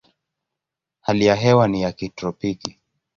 Hali ya hewa ni ya kitropiki.